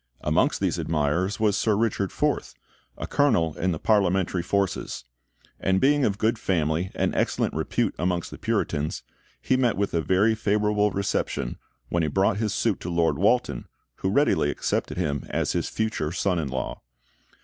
Amongst these admirers was Sir Richard Forth, a colonel in the Parliamentary forces; and being of good family and excellent repute amongst the Puritans, he met with a very favourable reception when he brought his suit to Lord Walton, who readily accepted him as his future son in law.